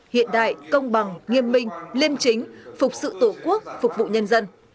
hiện đại công bằng nghiêm minh liêm chính phục sự tổ quốc phục vụ nhân dân